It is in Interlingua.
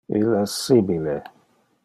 Il es simile